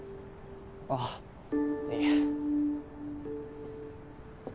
あっいえ。